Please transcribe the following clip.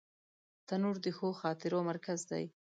تنور د ښو خاطرو مرکز دی